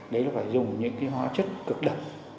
đấy là phải dùng những hóa chất cực độc